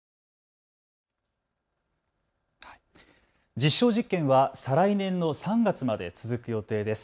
実証実験は再来年の３月まで続く予定です。